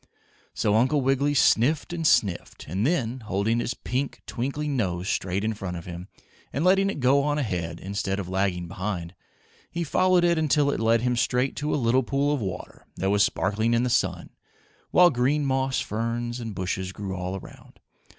So Uncle Wiggily sniffed and sniffed, and then, holding his pink, twinkling nose straight in front of him and letting it go on ahead, instead of lagging behind, he followed it until it led him straight to a little pool of water that was sparkling in the sun, while green moss ferns and bushes grew all around.